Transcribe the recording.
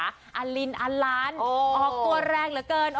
อัลลินอันร้านอ๋อตัวแรงเหลือเกิน